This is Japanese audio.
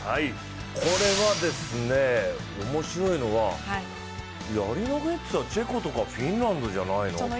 これはおもしろいのは、やり投って言ったらチェコとかフィンランドじゃないの？